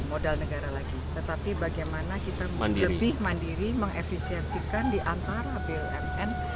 modal negara lagi tetapi bagaimana kita lebih mandiri mengefisiensikan diantara bumn